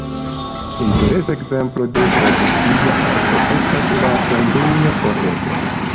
Interesa ekzemplo de tradicia arto estas la tombeja pordego.